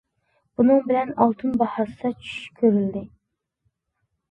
بۇنىڭ بىلەن ئالتۇن باھاسىدا چۈشۈش كۆرۈلدى.